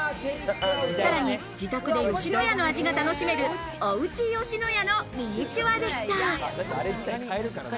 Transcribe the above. さらに自宅で吉野家の味が楽しめる、おうち吉野家のミニチュアでした。